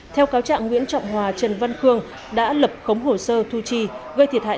theo cáo trạng nguyễn trọng hòa trần văn khương đã lập khống hồ sơ thu chi gây thiệt hại